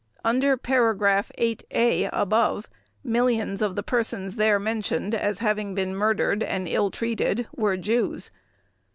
Under paragraph VIII (A), above, millions of the persons there mentioned as having been murdered and ill treated were Jews.